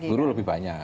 kalau guru lebih banyak